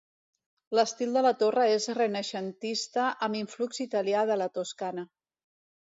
L'estil de la torre és renaixentista amb influx italià de la Toscana.